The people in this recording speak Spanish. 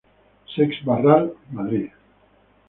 Seix Barral, Madrid.